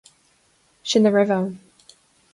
Sin a raibh ann.